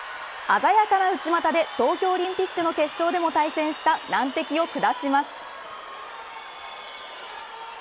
鮮やかな内股で東京オリンピックの決勝でも対戦した難敵を下します。